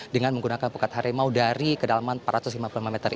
dengan menggunakan pukat harimau dari kedalaman empat ratus lima puluh lima meter